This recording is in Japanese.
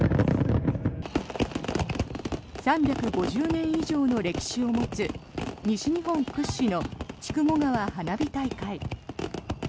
３５０年以上の歴史を持つ西日本屈指の筑後川花火大会。